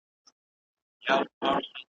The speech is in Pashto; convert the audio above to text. چي له مُغانه مي وروستی جام لا منلی نه دی .